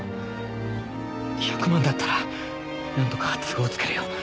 １００万だったらなんとか都合つけるよ。